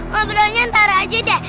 gak berani antara aja deh